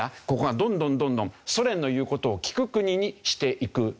ここがどんどんどんどんソ連の言う事を聞く国にしていく。